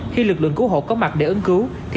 khi lực lượng cứu hộ có mặt để ứng cứu thì